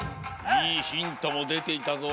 いいヒントもでていたぞ。